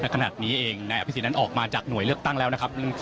ขณะนี้เองนายอภิษฎนั้นออกมาจากหน่วยเลือกตั้งแล้วนะครับ